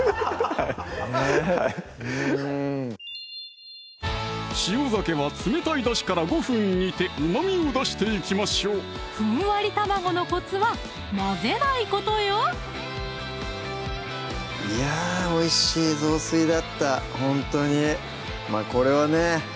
はいねぇうん塩ざけは冷たいだしから５分煮てうまみを出していきましょうふんわり卵のコツは混ぜないことよいやおいしい雑炊だったほんとにこれはね